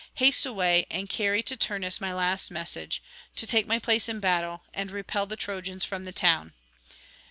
Haste away, and carry to Turnus my last message; to take my place in battle, and repel the Trojans from the town.